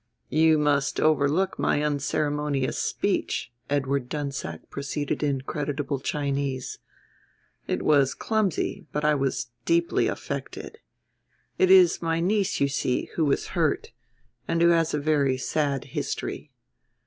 "You must overlook my unceremonious speech," Edward Dunsack proceeded in creditable Chinese. "It was clumsy, but I was deeply affected. It is my niece, you see, who was hurt, and who has a very sad history.